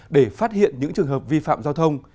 để phát hiện những trường hợp vi phạm giao thông